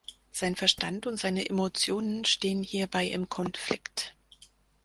Sein Verstand und seine Emotionen stehen hierbei im Konflikt.